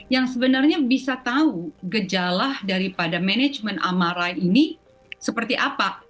yang sebenarnya bisa tahu gejala daripada manajemen amarahi ini seperti apa